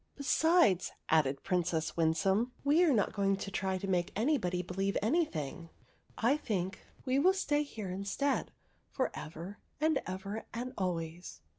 " Besides," added Princess Winsome, " we are not going to try to make anybody believe anything. I think we '11 stay here, instead, for ever and ever and always."